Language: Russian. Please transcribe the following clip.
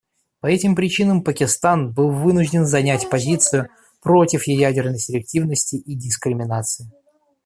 По этим причинам Пакистан был вынужден занять позицию против ядерной селективности и дискриминации.